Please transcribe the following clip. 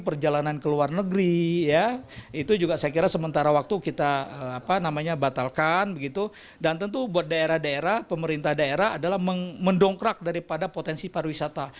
perjalanan ke luar negeri ya itu juga saya kira sementara waktu kita batalkan begitu dan tentu buat daerah daerah pemerintah daerah adalah mendongkrak daripada potensi pariwisata